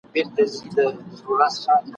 هر قدم د مرګي لومي له هر ګامه ګیله من یم ..